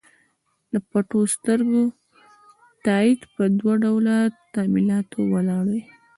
د پټو سترګو تایید په دوه ډوله تمایلاتو ولاړ وي.